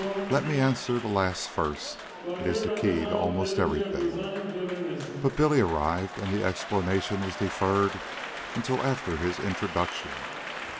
"Let me answer the last first. It is the key to almost everything." But Billy arrived, and the explanation was deferred until after his introduction.